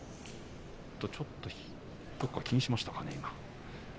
ちょっとどこか気にしましたかね。